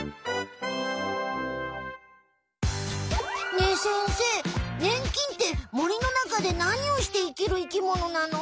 ねえ先生ねん菌って森の中で何をして生きる生きものなの？